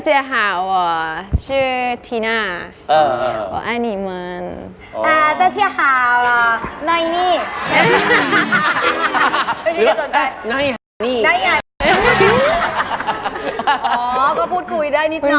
แต่เราพูดกูฟูดจีนได้ไหมว่าเราไปตั้งหลายทาง